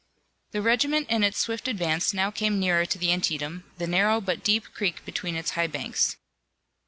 The regiment in its swift advance now came nearer to the Antietam, the narrow but deep creek between its high banks.